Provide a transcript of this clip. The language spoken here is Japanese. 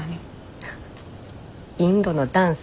インドのダンス。